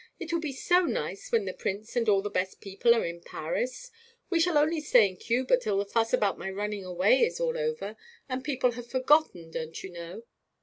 It will be so nice when the Prince and all the best people are in Paris. We shall only stay in Cuba till the fuss about my running away is all over, and people have forgotten, don't you know.